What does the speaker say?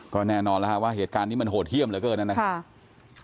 ก็แน่นอนแล้วฮะว่าเหตุการณ์นี้มันโหดเยี่ยมเหลือเกินนะครับ